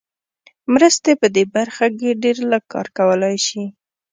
مرستې په دې برخه کې ډېر لږ کار کولای شي.